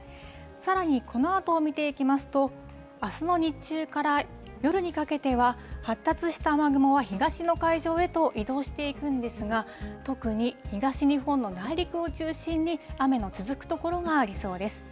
さらにこのあとを見ていきますと、あすの日中から夜にかけては、発達した雨雲は東の海上へと移動していくんですが、特に東日本の内陸を中心に、雨の続く所がありそうです。